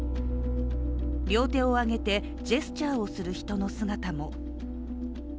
両手を挙げてジェスチャーをする人の姿も。